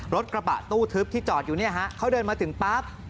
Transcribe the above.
รถกระบะตู้ทึบที่จอดอยู่เนี่ยฮะเขาเดินมาถึงปั๊บ